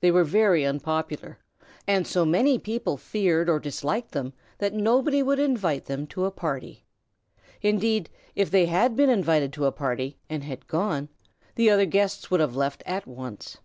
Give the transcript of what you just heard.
They were very unpopular, and so many people feared or disliked them that nobody would invite them to a party. Indeed, if they had been invited to a party and had gone, the other guests would have left at once.